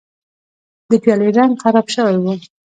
د پیالې رنګ خراب شوی و.